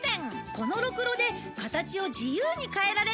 このろくろで形を自由に変えられるんだ